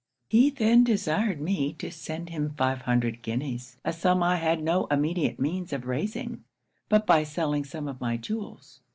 He then desired me to send him five hundred guineas a sum I had no immediate means of raising, but by selling some of my jewels.